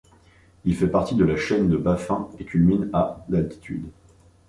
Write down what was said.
Il fait partie de la chaîne de Baffin et culmine à d'altitude.